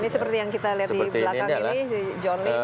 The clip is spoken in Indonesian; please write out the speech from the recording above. ini seperti yang kita lihat di belakang ini john lee